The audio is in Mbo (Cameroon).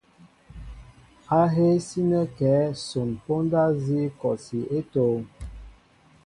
Ahéé sínέ kɛέ son póndá nzi kɔsi é tóóm ?